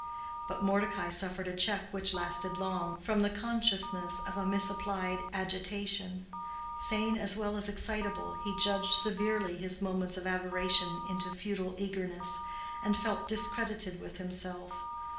But Mordecai suffered a check which lasted long, from the consciousness of a misapplied agitation; sane as well as excitable, he judged severely his moments of aberration into futile eagerness, and felt discredited with himself.